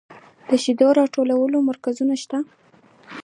د شیدو راټولولو مرکزونه شته